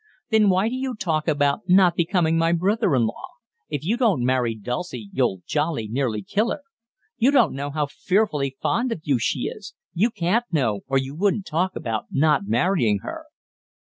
"Then why do you talk about not becoming my brother in law? If you don't marry Dulcie you'll jolly nearly kill her. You don't know how fearfully fond of you she is. You can't know, or you wouldn't talk about not marrying her."